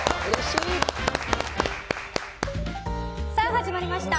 始まりました